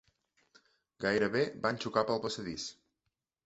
Gairebé van xocar pel passadís.